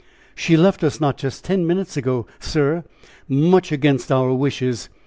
"She left us not ten minutes ago, sir, much against our wishes.